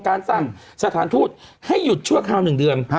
ทำการสร้างสถานธูปให้หยุดชั่วคร่าว๑เดือน